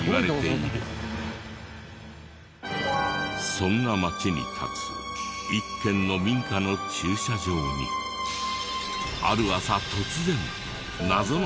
そんな町に立つ一軒の民家の駐車場にある朝突然謎の魚が大量に。